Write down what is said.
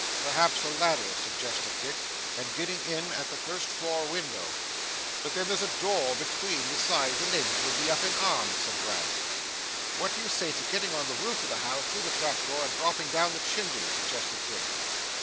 'Perhaps a ladder,' suggested Dick, 'and getting in at the first floor window ' 'But then there's a door between; besides, the neighbours would be up in arms,' said Brass. 'What do you say to getting on the roof of the house through the trap door, and dropping down the chimney?' suggested Dick.